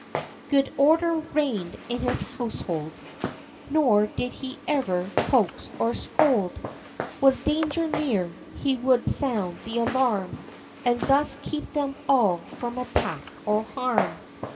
Good order reigned in his household, Nor did he ever coax or scold; Was danger near, he would sound the alarm, And thus keep them all from attack or harm.